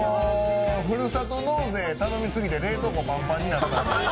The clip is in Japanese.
ふるさと納税を頼みすぎて冷凍庫パンパンになった。